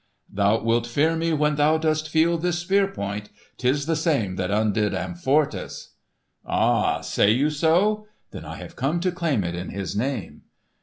"Thou wilt fear me when thou dost feel this spear point! 'Tis the same that undid Amfortas." "Ha! say you so? Then I have come to claim it in his name."